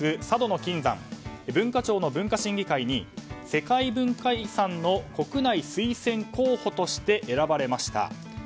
佐渡島の金山文化庁の文化審議会に世界文化遺産の国内推薦候補として選ばれました。